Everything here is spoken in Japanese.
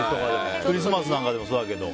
クリスマスなんかでもそうだけど。